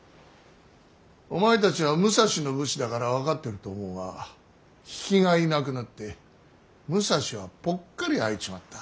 お前たちは武蔵の武士だから分かってると思うが比企がいなくなって武蔵はぽっかり空いちまった。